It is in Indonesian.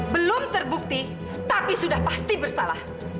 belum terbukti tapi sudah pasti bersalah